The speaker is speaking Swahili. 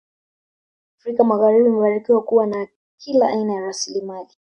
Afrika magharibi imebarikiwa kuwa na kila aina ya rasilimali